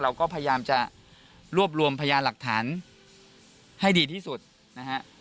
เราก็พยายามจะรวบรวมพยานหลักฐานให้ดีที่สุดนะฮะ